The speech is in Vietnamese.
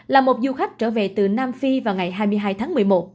là một du khách trở về từ nam phi vào ngày hai mươi hai tháng một mươi một